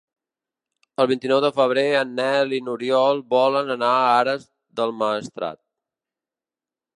El vint-i-nou de febrer en Nel i n'Oriol volen anar a Ares del Maestrat.